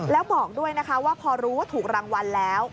แล้วบอกด้วยนะคะว่าพอรู้ว่าถูกรางวัลแล้ว